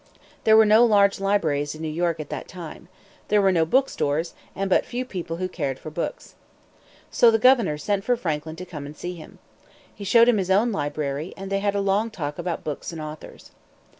There were no large libraries in New York at that time. There were no bookstores, and but few people who cared for books. So the governor sent for Franklin to come and see him. He showed him his own library, and they had a long talk about books and authors.